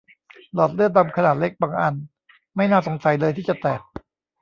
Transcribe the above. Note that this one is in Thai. หลอดเลือดดำขนาดเล็กบางอันไม่น่าสงสัยเลยที่จะแตก